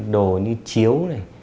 đồ như chiếu này